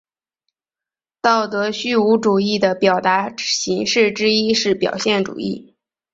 道德虚无主义的表达形式之一是表现主义。